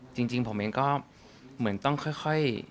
จริงผมเองก็เหมือนต้องค่อย